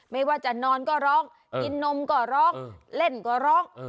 ไม่ว่าจะนอนก็ร้องกินนมก็ร้องเล่นก็ร้อง